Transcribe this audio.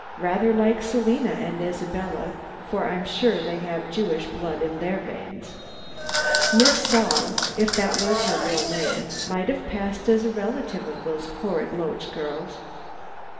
Rather like Selina and Isabella, for I'm sure they have Jewish blood in their veins. Miss Saul if that was her real name might have passed as a relative of those horrid Loach girls."